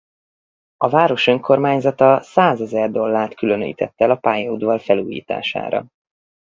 A város önkormányzata százezer dollárt különített el a pályaudvar felújítására.